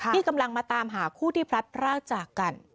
ที่กำลังมาตามหาคู่ที่พลัดพรากจากกัน